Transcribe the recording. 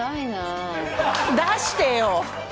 出してよ！